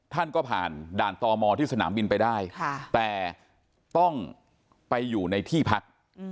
ท่านก็ผ่านด่านตมที่สนามบินไปได้แต่ต้องไปอยู่ในที่พัก